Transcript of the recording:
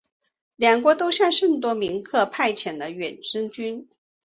两国都向圣多明克派遣了远征军。